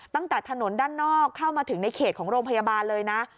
ตั้งแต่ถนนด้านนอกเข้ามาถึงในเขตของโรงพยาบาลเลยนะ